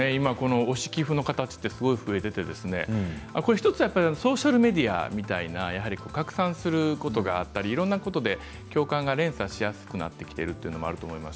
推し寄付の形が増えていて１つソーシャルメディアみたいな拡散することがあったりいろんなことで共感が連鎖しやすくなったりということもあります。